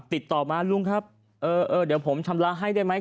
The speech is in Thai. ติดต่อมาลุงครับเออเดี๋ยวผมชำระให้ได้ไหม